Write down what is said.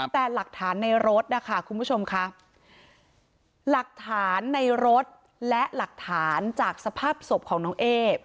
แต่หลักฐานในรถนะคะคุณผู้ชมค่ะหลักฐานในรถและหลักฐานจากสภาพศพของน้องเอ๊